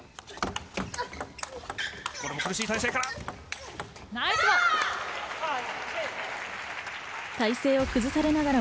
これも苦しい体勢から。